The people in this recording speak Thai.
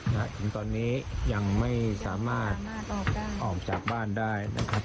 ถึงตอนนี้ยังไม่สามารถออกจากบ้านได้